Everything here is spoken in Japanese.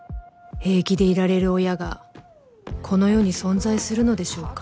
平気でいられる親がこの世に存在するのでしょうか？